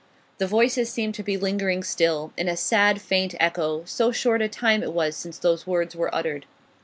The voices seemed to be lingering still, in a sad, faint echo, so short a time it was since those words were uttered.